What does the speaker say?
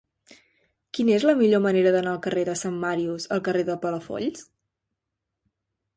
Quina és la millor manera d'anar del carrer de Sant Màrius al carrer de Palafolls?